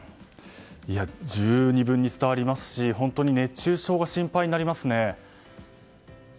十二分に伝わりますし熱中症が心配になりますね。